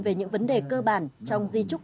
về những vấn đề cơ bản trong di trúc